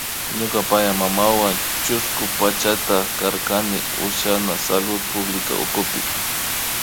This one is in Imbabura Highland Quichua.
Ñuka payaymamawan chusku pachata karkani utkashka Salud Pública ukupi